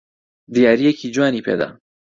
دیارییەکی جوانی پێ دا.